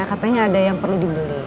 katanya ada yang perlu dibeli